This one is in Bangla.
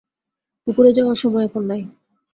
পুকুর যাওয়ার সময় এখন নাই।